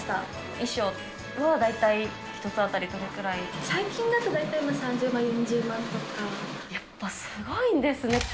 衣装は大体１つあたりどれく最近だと大体、３０万、やっぱすごいんですね。